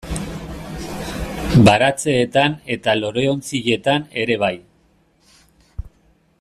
Baratzeetan eta loreontzietan ere bai.